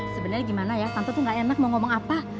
sebenarnya gimana ya tante tuh gak enak mau ngomong apa